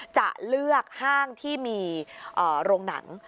จะเลือกห้างที่มีโรงหนัง